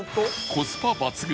コスパ抜群！